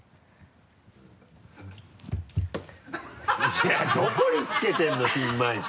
いやどこにつけてるのピンマイク。